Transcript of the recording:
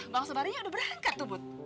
bang soebarinya udah berangkat tuh bud